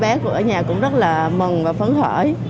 các ở nhà cũng rất là mừng và phấn khởi